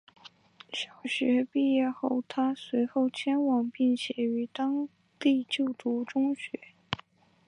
小学毕业后她随后迁往并且于当地就读中学。